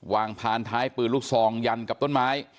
พานท้ายปืนลูกซองยันกับต้นไม้